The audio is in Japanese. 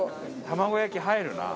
玉子焼き入るな。